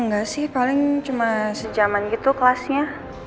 enggak sih paling cuma sejaman gitu kelasnya